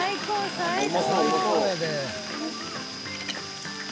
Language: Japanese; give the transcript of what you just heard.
最高やで。